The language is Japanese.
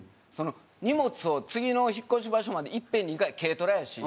荷物を次の引っ越し場所までいっぺんに行かない軽トラやし。